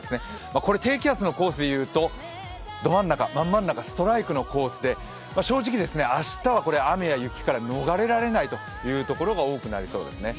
これ低気圧のコースで言うと、どまん中、まん真ん中、ストライクのコースで、正直、明日は雨や雪から逃れられないところが多くなりそうですね。